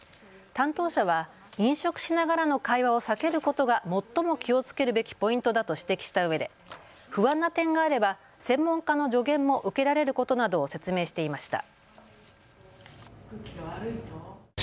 担当者は飲食しながらの会話を避けることが最も気をつけるべきポイントだと指摘したうえで不安な点があれば専門家の助言も受けられることなどを説明していました。